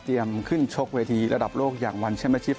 เตรียมขึ้นชกเวทีระดับโลกอย่างวันชมชิบ